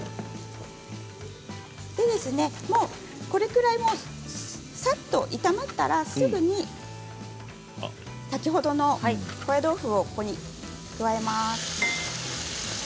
これぐらい、さっと炒まったらすぐに先ほどの高野豆腐をここに加えます。